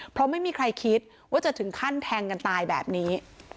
เพราะไม่มีใครคิดว่าจะถึงขั้นแทงกันตายแบบนี้